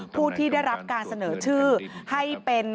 ผู้ที่ได้รับการเสนอชื่อให้เป็น